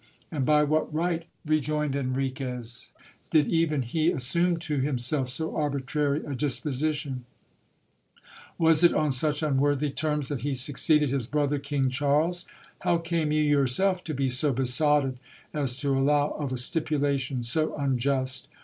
And by what right, rejoined Enriquez, did even he assume to himself so arbitrary a disposition ? Was it on such unworthy terms that he succeeded his brother, King Charles ? How came you yourself to be so besotted as to allow of a stipulation so unjust